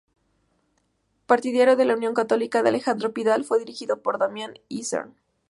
Partidario de la Unión Católica de Alejandro Pidal, fue dirigido por Damián Isern.